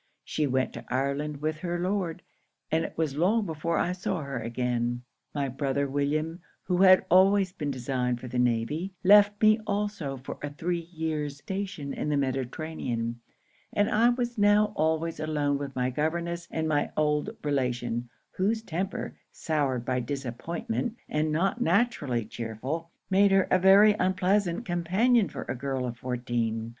She went to Ireland with her Lord; and it was long before I saw her again. 'My brother William, who had always been designed for the navy, left me also for a three years station in the Mediterranean; and I was now always alone with my governess and my old relation, whose temper, soured by disappointment and not naturally chearful, made her a very unpleasant companion for a girl of fourteen.